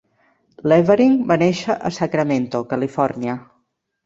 Levering va néixer a Sacramento (Califòrnia).